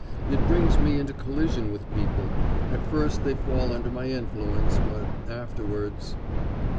It brings me into collision with people, at first they fall under my influence, but afterwards...